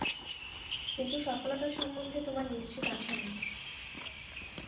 কিন্তু সফলতা সম্বন্ধে তোমার নিশ্চিত আশা নেই।